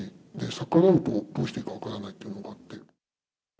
逆らうと、どうしていいか分からないっていうのがあって。